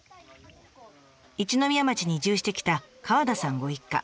一宮町に移住してきた川田さんご一家。